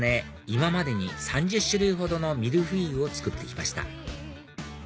今までに３０種類ほどのミルフィーユを作って来ました